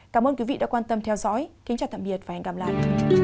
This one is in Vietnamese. cảm ơn quý vị đã quan tâm theo dõi kính chào tạm biệt và hẹn gặp lại